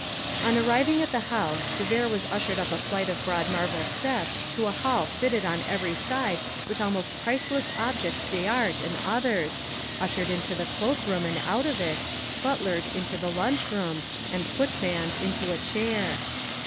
On arriving at the house, de Vere was ushered up a flight of broad marble steps to a hall fitted on every side with almost priceless objets d'art and others, ushered to the cloak room and out of it, butlered into the lunch room and footmanned to a chair.